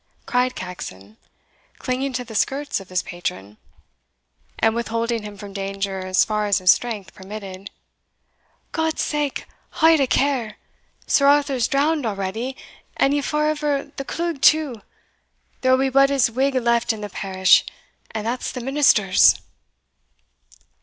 cried Caxon, clinging to the skirts of his patron, and withholding him from danger as far as his strength permitted "God's sake, haud a care! Sir Arthur's drowned already, and an ye fa' over the cleugh too, there will be but ae wig left in the parish, and that's the minister's."